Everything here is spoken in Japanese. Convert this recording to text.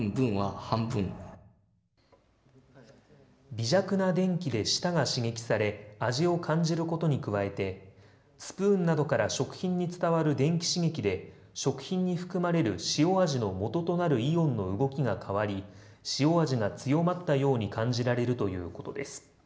微弱な電気で舌が刺激され味を感じることに加えてスプーンなどから食品に伝わる電気刺激で食品に含まれる塩味のもととなるイオンの動きが変わり塩味が強まったように感じられるということです。